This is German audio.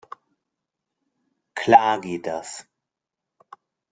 Klar geht das!